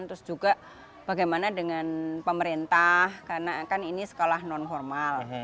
terus juga bagaimana dengan pemerintah karena kan ini sekolah non formal